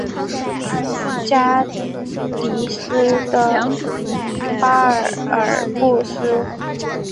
加的斯的巴尔布斯。